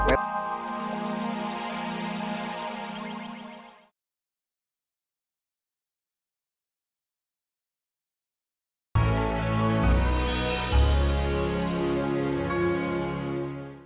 sampai jumpa di video selanjutnya